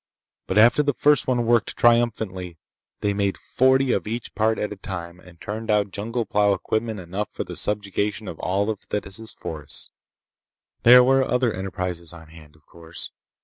But after the first one worked triumphantly, they made forty of each part at a time and turned out jungle plow equipment enough for the subjugation of all Thetis' forests. There were other enterprises on hand, of course.